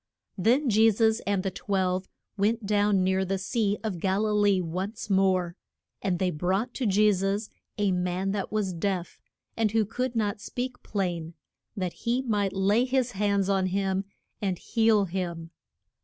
Then Je sus and the twelve went down near the Sea of Gal i lee once more. And they brought to Je sus a man that was deaf, and who could not speak plain, that he might lay his hands on him and heal him.